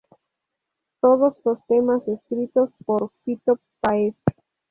Todos los temas escritos por Fito Páez.